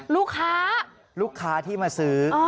ลูกค้าที่มาซื้อ